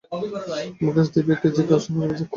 মুকেশ দ্বীপে দিকে জাহাজ ঘোরাও।